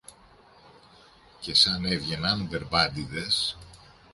Και σαν έβγαιναν μπερμπάντηδες